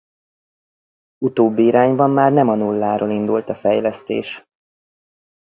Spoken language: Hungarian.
Utóbbi irányban már nem a nulláról indult a fejlesztés.